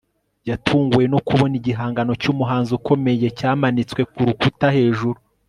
Yatunguwe no kubona igihangano cyumuhanzi ukomeye cyamanitswe kurukuta hejuru